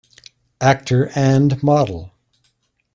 Actor and model.